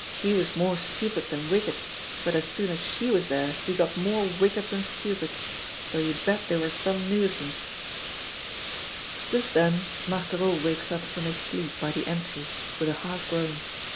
He was more stupid than wicked, but as soon as she was there he got more wicked than stupid. So you bet they were some nuisance " Just then, Marthereau wakes up from his sleep by the entry with a half groan.